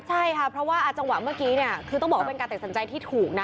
ใช่ค่ะเพราะว่าจังหวะเมื่อกี้เนี่ยคือต้องบอกว่าเป็นการตัดสินใจที่ถูกนะ